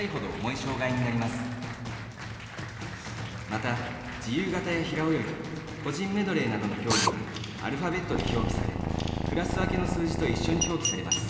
また自由形や平泳ぎ個人メドレーなどの競技はアルファベットで表記されクラス分けの数字と一緒に表記されます。